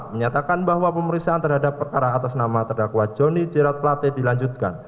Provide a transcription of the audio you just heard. lima menyatakan bahwa pemeriksaan terhadap perkara atas nama terdakwa joni cerat pelate dilanjutkan